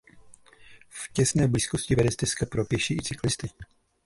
V těsné blízkosti vede stezka pro pěší i cyklisty.